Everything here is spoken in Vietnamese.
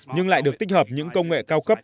nhưng lại được tích hợp những công nghệ cao cấp